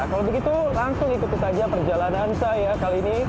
kalau begitu langsung ikuti saja perjalanan saya kali ini